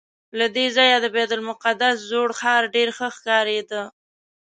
له دې ځایه د بیت المقدس زوړ ښار ډېر ښه ښکارېده.